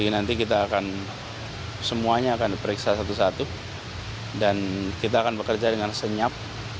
nanti kita akan semuanya akan diperiksa satu satu dan kita akan bekerja dengan senyap